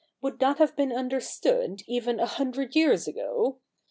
Would that have been understood even a hundred years ago